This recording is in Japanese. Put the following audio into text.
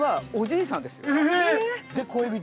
で恋人？